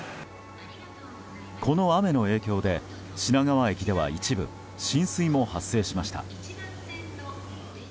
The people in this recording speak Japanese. この雨の影響で品川駅では、一部浸水も発生しました。